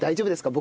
僕。